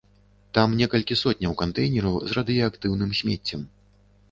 Там некалькі сотняў кантэйнераў з радыеактыўным смеццем.